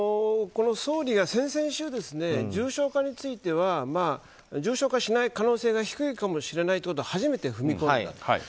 総理が先々週重症化については重症化しない可能性が低いかもしれないと初めて踏み込んだ。